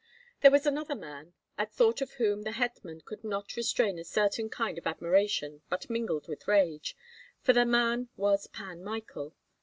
There was another man, at thought of whom the hetman could not restrain a certain kind of admiration, but mingled with rage, for the man was Pan Michael.